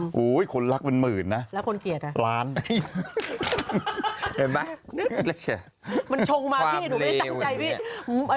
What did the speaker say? โอ้โฮคนรักเป็นหมื่นนะล้านเห็นไหมมันชงมาพี่หนูไม่ตั้งใจพี่